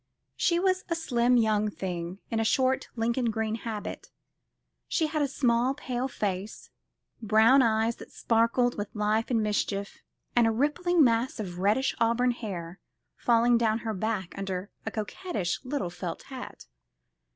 She was a slim young thing, in a short Lincoln green habit. She had a small pale face, brown eyes that sparkled with life and mischief, and a rippling mass of reddish auburn hair falling down her back under a coquettish little felt hat.